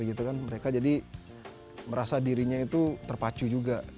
jadi mereka merasa dirinya itu terpacu juga